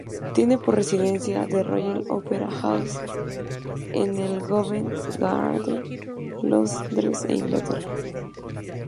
Tiene por residencia la Royal Opera House en el Covent Garden, Londres, Inglaterra.